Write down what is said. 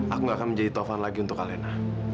aku gak akan menjadi tovan lagi untuk alena